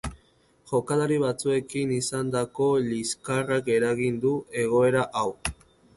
Jokalari batzuekin izandako liskarrak eragin du egorea hau.